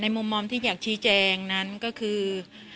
มุมมองที่อยากชี้แจงนั้นก็คือ